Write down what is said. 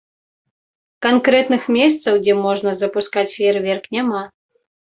Канкрэтных месцаў, дзе можна запускаць феерверк, няма.